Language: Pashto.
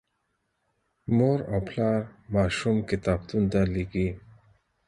مور او پلار ماشوم کتابتون ته لیږي.